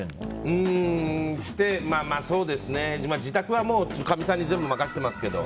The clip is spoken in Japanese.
うーん自宅はかみさんに全部任せてますけど。